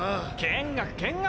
見学見学。